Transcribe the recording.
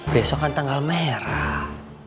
besok kan tanggal merah